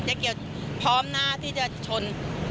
เกี่ยวพร้อมหน้าที่จะชน